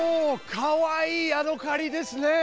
かわいいヤドカリですね！